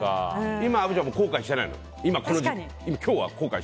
今、虻ちゃんは後悔していないの？